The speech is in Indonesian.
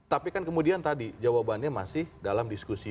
tapi kan kemudian tadi jawabannya masih dalam diskusi